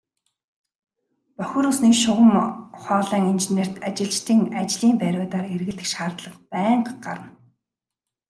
Бохир усны шугам хоолойн инженерт ажилчдын ажлын байруудаар эргэлдэх шаардлага байнга гарна.